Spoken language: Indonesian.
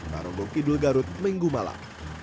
pada rogong idul garut minggu malam